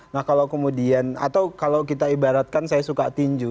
nah kalau kemudian atau kalau kita ibaratkan saya suka tinju